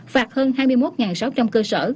phạt hơn hai mươi một sáu trăm linh cơ sở